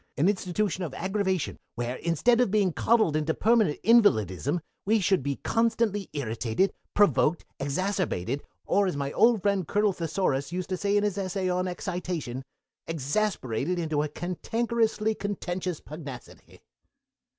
"An institution of aggravation, where, instead of being coddled into permanent invalidism, we should be constantly irritated, provoked, exacerbated, or, as my old friend Colonel Thesaurus says in his Essay on Excitation, exasperated into a cantankerously contentious pugnacity!"